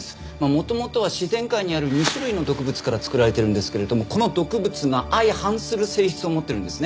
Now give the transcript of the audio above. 元々は自然界にある２種類の毒物から作られているんですけれどもこの毒物が相反する性質を持っているんですね。